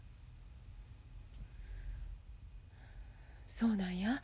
そうなんや。